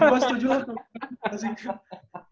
gue setuju lah tuh